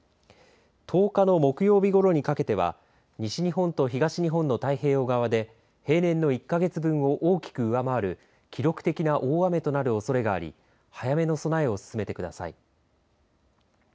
１０日の木曜日ごろにかけては西日本と東日本の太平洋側で平年の１か月分を大きく上回る記録的な大雨となるおそれがあり早めの備えを進めてください。